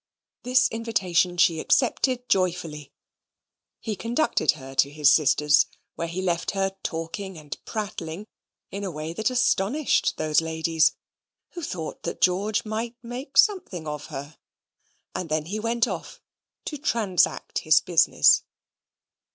This invitation was accepted joyfully. He conducted her to his sisters; where he left her talking and prattling in a way that astonished those ladies, who thought that George might make something of her; and he then went off to transact his business.